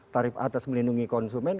tarif atas melindungi konsumen